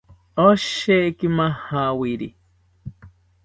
Osheki majawiri